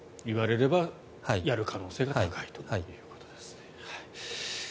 言われればやる可能性が高いということです。